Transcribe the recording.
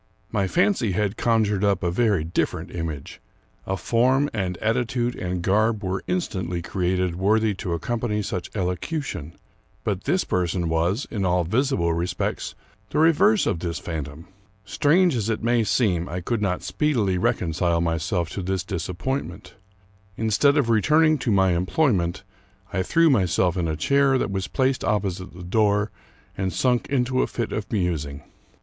My fancy had conjured up a very different image. A form and attitude and garb were instantly created worthy to accompany such elocution; but this person was, in all visible respects, the reverse of this phantom. Strange as it may seem, I could not speedily reconcile myself to this disap pointment. Instead of returning to my employment, I threw myself in a chair that was placed opposite the door, and sunk into a fit of musing.